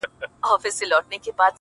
بیا مي د اوښکو وه رڼا ته سجده وکړه